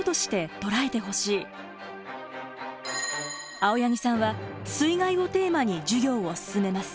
青柳さんは「水害」をテーマに授業を進めます。